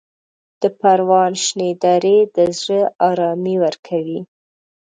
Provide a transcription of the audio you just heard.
د پروان شنې درې د زړه ارامي ورکوي.